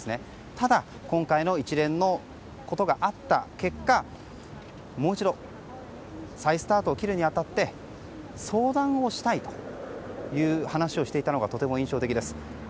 ただ、今回の一連のことがあった結果もう一度、再スタートを切るにあたって相談をしたいという話をしていたのがとても印象的です。